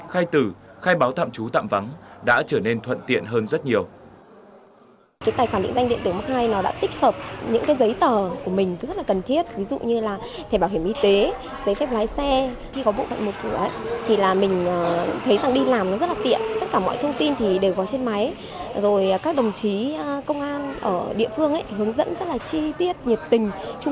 khai tử khai báo tạm trú tạm vắng đã trở nên thuận tiện hơn rất nhiều